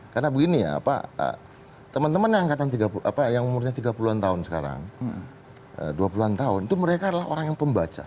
karena begini ya teman teman yang umurnya tiga puluh an tahun sekarang dua puluh an tahun itu mereka adalah orang yang pembaca